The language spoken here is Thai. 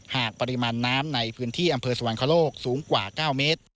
หากปริมาณน้ำในพื้นที่อำเภอสวรรคโลกสูงกว่า๙เมตร